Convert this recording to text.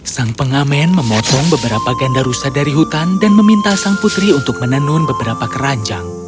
sang pengamen memotong beberapa ganda rusa dari hutan dan meminta sang putri untuk menenun beberapa keranjang